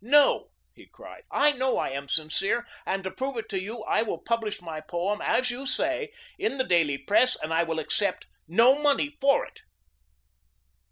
"No," he cried, "I know I am sincere, and to prove it to you, I will publish my poem, as you say, in the daily press, and I will accept no money for it."